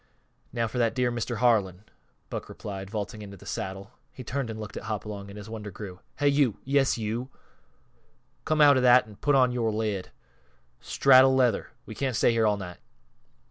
Now for that dear Mr. Harlan," Buck replied, vaulting into the saddle. He turned and looked at Hopalong, and his wonder grew. "Hey, you! Yes, you! Come out of that an' put on yore lid! Straddle leather we can't stay here all night."